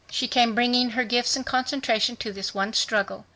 She came bringing her gifts and concentration to this one struggle.